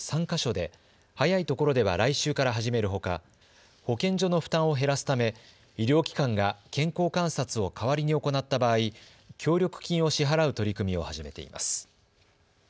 ３か所で早いところでは来週から始めるほか保健所の負担を減らすため医療機関が健康観察を代わりに行った場合、協力金を支払う取り組みを始めています。